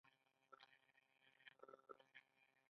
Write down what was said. ایا زه بلې اونۍ راشم؟